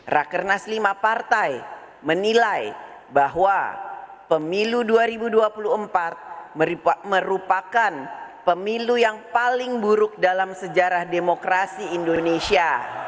rakernas lima partai menilai bahwa pemilu dua ribu dua puluh empat merupakan pemilu yang paling buruk dalam sejarah demokrasi indonesia